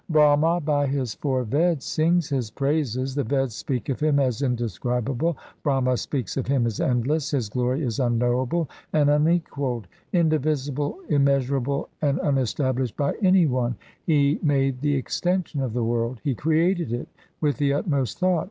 Brahma by his four Veds sings His praises, The Veds speak of Him as indescribable, Brahma speaks of Him as endless — His glory is unknowable and unequalled. Indivisible, immeasurable, and unestablished by any one He made the extension of the world : He created it with the utmost thought.